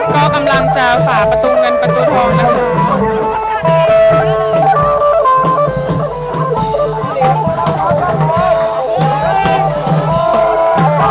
ก็กำลังจะฝ่าประตูเงินประตูทองนะคะ